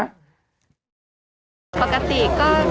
ปกติก็ติดตามถ้าว่างจะติดตามท่านโดยปกติแล้ว